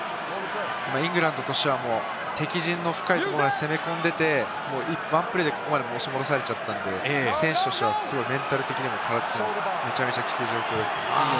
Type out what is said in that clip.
イングランドとしては敵陣の深いところまで攻め込んでて、ワンプレーでここまで押し戻されちゃったんで、選手としてはすごいメンタル的にも、めちゃめちゃきつい状況ですね。